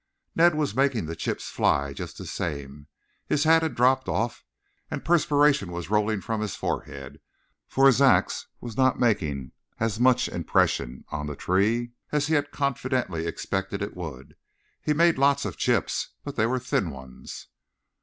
Ned was making the chips fly just the same. His hat had dropped off and perspiration was rolling from his forehead, for his axe was not making as much impression on the tree as he had confidently expected it would. He made lots of chips, but they were thin ones.